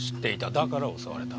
だから襲われた。